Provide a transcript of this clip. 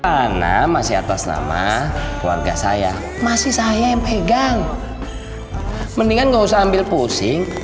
karena masih atas nama keluarga saya masih saya yang pegang mendingan nggak usah ambil pusing